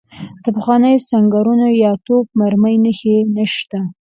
د پخوانیو سنګرونو یا توپ مرمۍ نښې نشته.